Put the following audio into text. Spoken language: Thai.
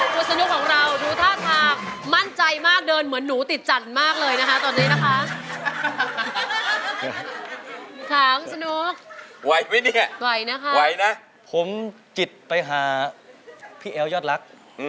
คุณสนุกของเราดูท่าทางมั่นใจมากเดินเหมือนหนูติดจันทร์มากเลยนะคะตอนนี้นะคะถามสนุกไหวไหมเนี่ยไหวนะคะไหวนะผมจิตไปหาพี่แอ๋วยอดรัก